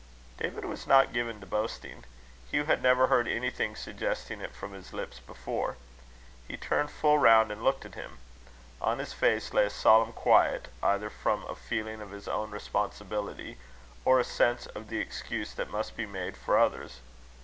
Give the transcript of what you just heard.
David was not given to boasting. Hugh had never heard anything suggesting it from his lips before. He turned full round and looked at him. On his face lay a solemn quiet, either from a feeling of his own responsibility, or a sense of the excuse that must be made for others.